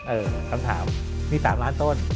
คำถามมี๓ล้านต้น